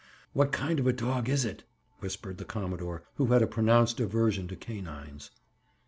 "What kind of a dog is it?" whispered the commodore who had a pronounced aversion to canines.